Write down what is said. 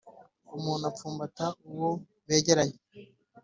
Umuntu apfumbata uwo begeranye.